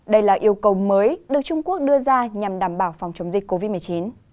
đây là yêu cầu mới được trung quốc đưa ra nhằm đảm bảo phòng chống dịch covid một mươi chín